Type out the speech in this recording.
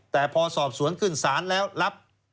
แต่พอสอบสวนขึ้นศาลแล้วรับ